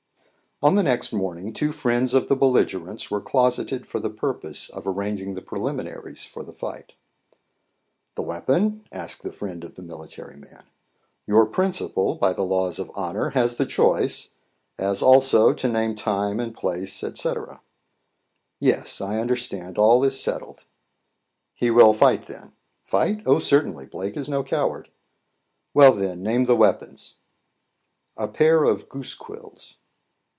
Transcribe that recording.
On the next morning, two friends of the bellige rents were closeted for the purpose of arranging the preliminaries for the fight. "The weapon?" asked the friend of the military man. "Your principal, by the laws of honour, has the choice; as, also, to name time and place, &c." "Yes, I understand. All is settled." "He will fight, then?" "Fight? Oh, certainly; Blake is no coward." "Well, then, name the weapons." "A pair of goose quills."